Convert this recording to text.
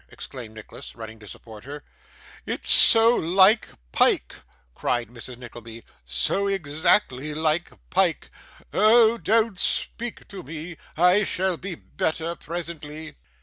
exclaimed Nicholas, running to support her. 'It's so like Pyke,' cried Mrs. Nickleby; 'so exactly like Pyke. Oh! don't speak to me I shall be better presently.